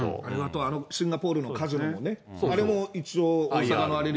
あとシンガポールのカジノもね、あれも一応、大阪のあれで。